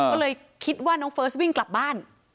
ก็เลยคิดว่าน้องเฟิร์สวิ่งกลับบ้าน